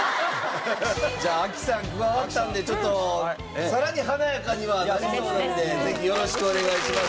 じゃあ亜希さん加わったんでちょっとさらに華やかにはなりそうなんでぜひよろしくお願いします。